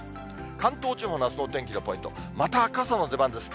関東地方のあすのお天気のポイント、また傘の出番です。